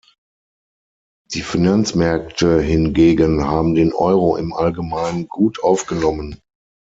Die Finanzmärkte hingegen haben den Euro im allgemeinen gut aufgenommen.